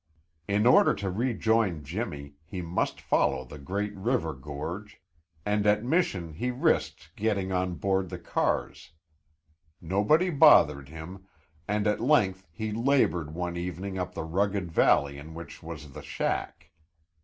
In order to rejoin Jimmy, he must follow the great river gorge, and at Mission he risked getting on board the cars. Nobody bothered him, and at length he labored one evening up the rugged valley in which was the shack.